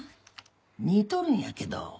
似とるんやけど。